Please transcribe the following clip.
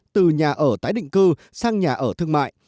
từ nhà ở tái định cư sang nhà ở thương mại